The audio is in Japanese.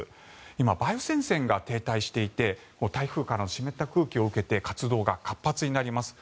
今、梅雨前線が停滞していて台風からの湿った空気を受けて活動が活発になります。